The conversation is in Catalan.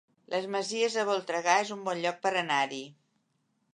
Les Masies de Voltregà es un bon lloc per anar-hi